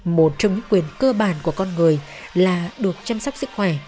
một trong những quyền cơ bản của con người là được chăm sóc sức khỏe